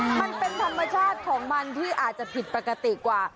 มันเป็นธรรมชาติของมันที่อาจจะผิดปกติกว่า